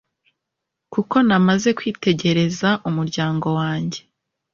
kuko namaze kwitegereza umuryango wanjye